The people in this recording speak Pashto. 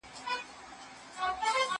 زه به سبا ته فکر کړی وي!